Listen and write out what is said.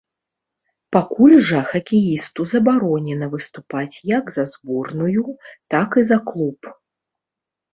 Пакуль жа хакеісту забаронена выступаць як за зборную, так і за клуб.